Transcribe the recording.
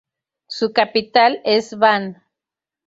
Su capital es Van.